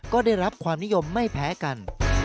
ก็ได้รับความนิยมไม่แพ้กัน